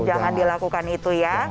jangan dilakukan itu ya